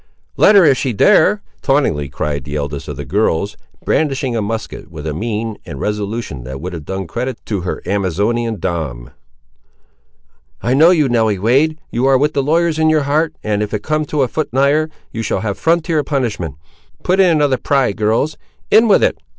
"Let her if she dare!" tauntingly cried the eldest of the girls, brandishing a musket with a mien and resolution that would have done credit to her Amazonian dam. "I know you, Nelly Wade; you are with the lawyers in your heart, and if you come a foot nigher, you shall have frontier punishment. Put in another pry, girls; in with it!